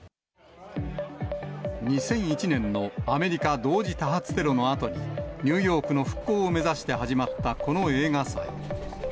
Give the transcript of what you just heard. ２００１年のアメリカ同時多発テロのあとに、ニューヨークの復興を目指して始まったこの映画祭。